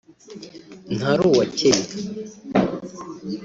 ntari uwa Kenya